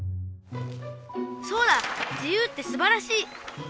そうだ自由ってすばらしい！